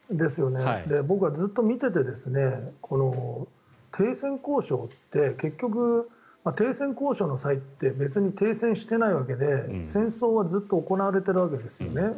僕はずっと見ていて停戦交渉って結局停戦交渉の際って別に停戦してないわけで、戦争はずっと行われているわけですよね